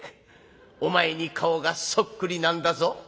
お前に顔がそっくりなんだぞ」。